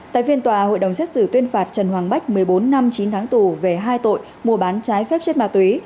tại phiên tòa hội đồng xét xử tuyên phạt trần hoàng bách một mươi bốn năm chín tháng tù về hai tội mua bán trái phép chất ma túy